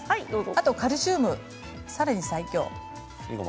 あとカルシウム、さらに最強。